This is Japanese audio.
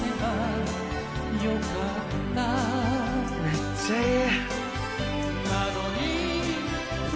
めっちゃいい。